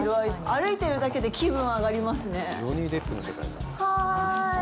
歩いてるだけで気分が上がりますね。